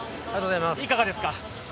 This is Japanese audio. いかがですか？